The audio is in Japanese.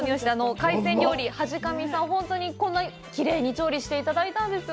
海鮮料理はじかみさん、本当にこんなきれいに調理していただいたんですよ。